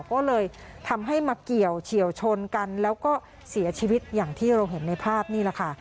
ก็เลยทำให้มาเกี่ยวเฉียวชนกันแล้วก็เสียชีวิตอย่างที่เราเห็นในภาพนี่แหละค่ะ